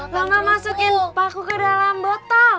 gak masukin paku ke dalam botol